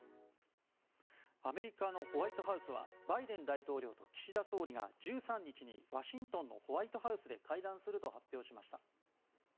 アメリカのホワイトハウスはバイデン大統領と岸田総理が１３日にワシントンのホワイトハウスで会談すると発表しました。